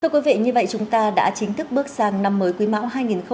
thưa quý vị như vậy chúng ta đã chính thức bước sang năm mới quý mão hai nghìn hai mươi bốn